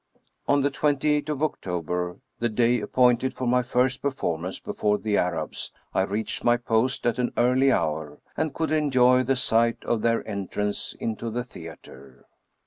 On the 28th of October, the day appointed for my first performance before the Arabs, I reached my post at an early hour, and could enjoy the sight of their entrance into the theater.